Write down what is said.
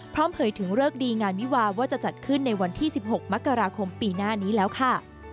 เผยถึงเลิกดีงานวิวาว่าจะจัดขึ้นในวันที่๑๖มกราคมปีหน้านี้แล้วค่ะ